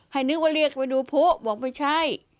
นึกว่าเรียกไปดูผู้บอกไม่ใช่